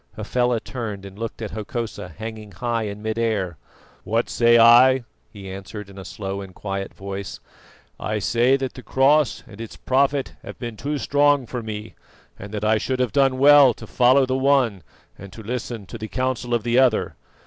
Hafela turned and looked at Hokosa hanging high in mid air. "What say I?" he answered in a slow and quiet voice. "I say that the Cross and its Prophet have been too strong for me, and that I should have done well to follow the one and to listen to the counsel of the other.